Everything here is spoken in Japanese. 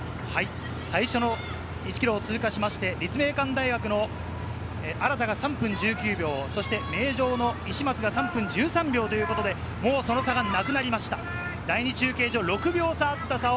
最初の１ｋｍを通過しまして、立命館大学の荒田が３分１９秒、そして名城の石松が３分１３秒ということで、もうその差がなくなりました。